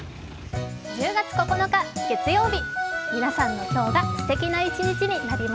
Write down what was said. １０月９日月曜日